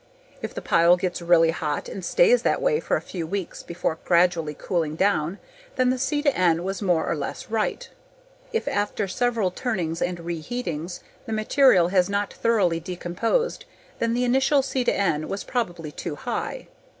If the pile gets really hot and stays that way for a few weeks before gradually cooling down then the C/N was more or less right. If, after several turnings and reheatings, the material has not thoroughly decomposed, then the initial C/N was probably too high.